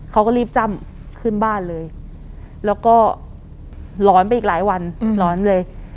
เขาก็รีบจ้ำขึ้นบ้านเลยแล้วก็ร้อนไปอีกหลายวันร้อนเลย